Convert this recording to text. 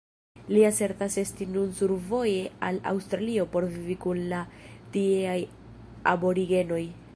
Li asertas esti nun survoje al Aŭstralio por vivi kun la tieaj aborigenoj.